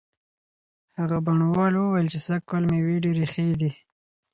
هغه بڼوال وویل چې سږکال مېوې ډېرې ښې دي.